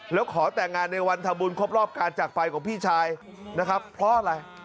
แล้วขอแต่งงานในวันทำบุญครบรอบการจากไปของพี่ชายนะครับเพราะอะไร